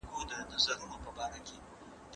د رواج زور څنګه په سیاست کې کارول کیږي؟